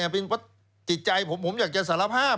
เป็นจิตใจผมผมอยากจะสารภาพ